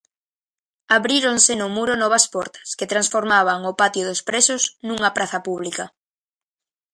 Abríronse no muro novas portas, que transformaban o patio dos presos nunha praza pública.